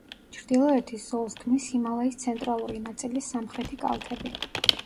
ჩრდილოეთის ზოლს ქმნის ჰიმალაის ცენტრალური ნაწილის სამხრეთი კალთები.